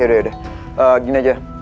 yaudah yaudah gini aja